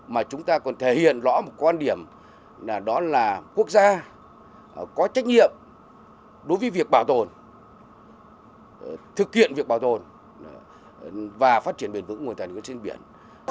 mà chúng ta còn thể hiện rõ một quan điểm đó là quốc gia có trách nhiệm đối với việc bảo tồn thực hiện việc bảo tồn và phát triển bền vững nguồn tài nguyên trên biển